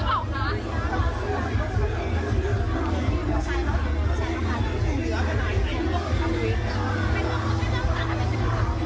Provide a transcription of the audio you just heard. แล้วไม่เคยไปสนแก้วไม่เคยเป็นอะไรกับพี่เขาเลย